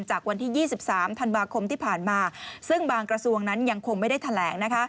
จากวันที่๒๓ธันวาคมที่ผ่านมาซึ่งบางกระทรวงนั้นยังคงไม่ได้แถลงนะคะ